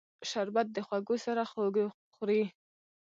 شربت د خوږو سره خوږ خوري